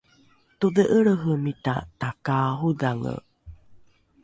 todhe’elrehemita takaarodhange